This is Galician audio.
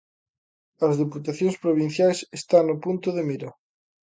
As deputacións provinciais están no punto de mira.